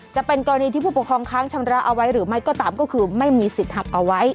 จะเป็นกรณีที่ผู้ปกครองค้างชำระเอาไว้หรือไม่ก็ตามก็คือไม่มีสิทธิ์หักเอาไว้